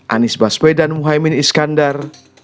anies baswedan muhaymin iskandar